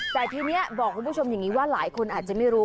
แต่ทีนี้บอกคุณผู้ชมอย่างนี้ว่าหลายคนอาจจะไม่รู้